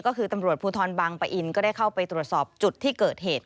ก็คือตำรวจภูทรบางปะอินก็ได้เข้าไปตรวจสอบจุดที่เกิดเหตุ